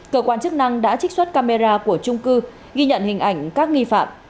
cơ quan chức năng đã trích xuất camera của trung cư ghi nhận hình ảnh các nghi phạm